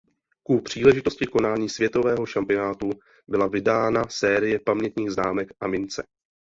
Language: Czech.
Ku příležitosti konání světového šampionátu byla vydána série pamětních známek a mince.